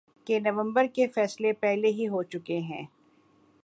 کہ نومبر کے فیصلے پہلے ہی ہو چکے ہیں۔